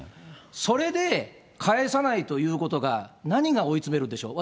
それで返さないということが、何が追い詰めるでしょう。